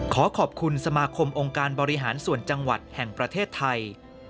ขอขอบคุณสมาคมองค์การบริหารส่วนจังหวัดแห่งประเทศไทย